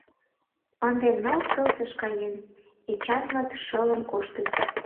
Ынде ныл тылзыш каен — Эчанмыт шылын коштыт.